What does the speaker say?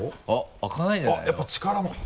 開かないんじゃないの？